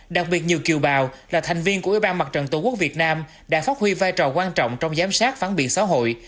đặc biệt nhiều kiều bào là thành viên của ủy ban mặt trận tổ quốc việt nam đã phát huy vai trò quan trọng trong giám sát phán biệt xã hội